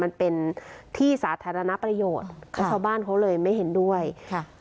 มันเป็นที่สาธารณประโยชน์แล้วชาวบ้านเขาเลยไม่เห็นด้วยค่ะ